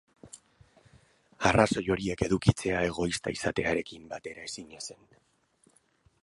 Arrazoi horiek edukitzea egoista izatearekin bateraezina da.